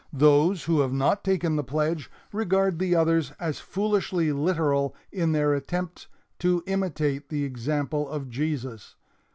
Those who have not taken the pledge regard the others as foolishly literal in their attempt to imitate the example of Jesus.